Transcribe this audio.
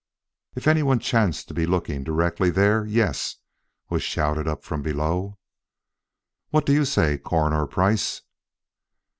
"If anyone chanced to be looking directly there, yes," was shouted up from below. "What do you say, Coroner Price?"